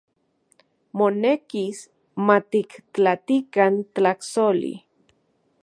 Monekis matiktlatikan tlajsoli.